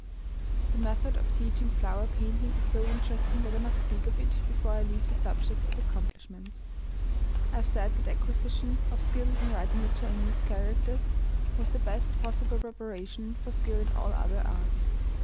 The method of teaching flower painting is so interesting that I must speak of it before I leave the subject of accomplishments. I have said that the acquisition of skill in writing the Chinese characters was the best possible preparation for skill in all other arts.